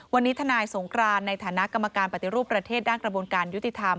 วันนี้ทนายสงกรานในฐานะกรรมการปฏิรูปประเทศด้านกระบวนการยุติธรรม